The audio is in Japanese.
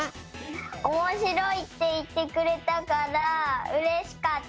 おもしろいっていってくれたからうれしかった。